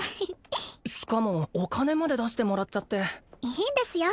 しかもお金まで出してもらっちゃっていいんですよ